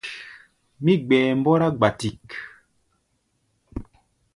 Mí gbɛɛ mbɔ́rá gbatik.